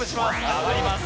上がります。